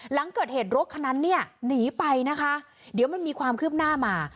หลังเกิดเหตุรถคันนั้นเนี่ยหนีไปนะคะเดี๋ยวมันมีความคืบหน้ามา